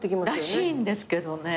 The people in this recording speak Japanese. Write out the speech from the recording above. らしいんですけどね